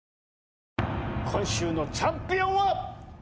今週のチャンピオンは。